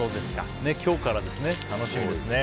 今日からですね、楽しみですね。